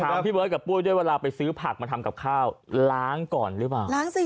พี่เบิร์ดกับปุ้ยด้วยเวลาไปซื้อผักมาทำกับข้าวล้างก่อนหรือเปล่า